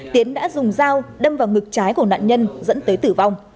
tiến đã dùng dao đâm vào ngực trái của nạn nhân dẫn tới tử vong